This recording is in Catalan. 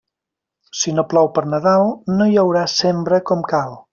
Si no plou per Nadal, no hi haurà sembra com cal.